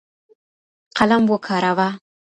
قلم وکاروه.